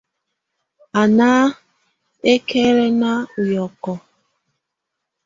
Á nà ǝkɛ̀lǝ̀na ù yɔ̀kɔ̀.